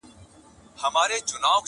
چي مي ښکار وي په هر ځای کي پیداکړی!